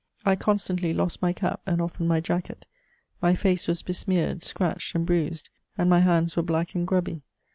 I constantly lost my cap, and often my jacket. My face was besmeared, scratched, and bruised ; and my hands were black and grubby.